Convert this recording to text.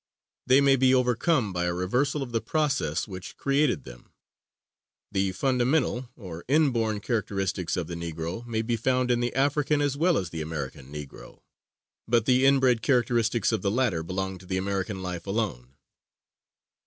They may be overcome by a reversal of the process which created them. The fundamental, or inborn, characteristics of the Negro may be found in the African, as well as the American, Negro; but the inbred characteristics of the latter belong to the American life alone.